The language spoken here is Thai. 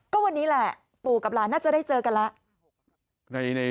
ก็วันนี้แหละปู่กับหลานน่าจะได้เจอกันแล้ว